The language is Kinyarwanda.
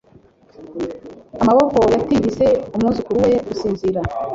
Amaboko yatigise umwuzukuru we gusinzira